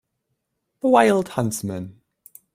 The wild huntsman